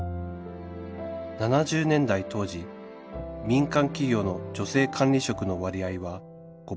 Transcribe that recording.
７０年代当時民間企業の女性管理職の割合は５パーセント未満